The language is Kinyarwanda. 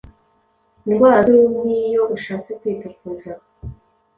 indwara z’ uruhu nk’ iyo ushatse kwitukuza